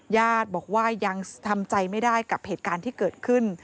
ญาติบอกว่ายังทำใจไม่ได้กับเหตุการณ์ที่เกิดขึ้น